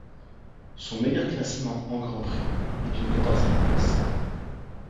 Son meilleur classement en Grand Prix est une quatorzième place.